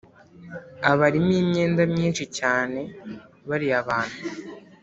abarimo imyenda myishi cyane bariya bantu